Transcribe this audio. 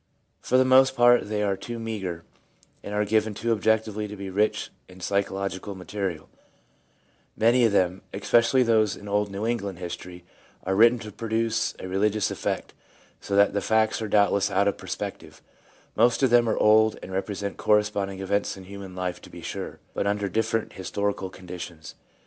For the most part, they are too meagre, and are given too objectively to be rich in psychological material ; many of them, especially those in old New England history, are written to produce a religious effect, so that the facts are doubtless out of perspective ; most of them are old, and represent corresponding events in human life, to be sure, but under different historical conditions.